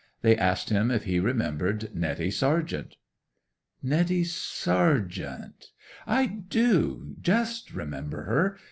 They asked him if he remembered Netty Sargent. 'Netty Sargent—I do, just remember her.